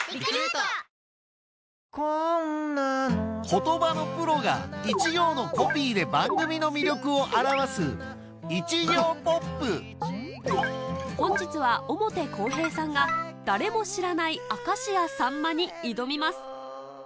言葉のプロが一行のコピーで番組の魅力を表す本日は表公平さんが『誰も知らない明石家さんま』に挑みます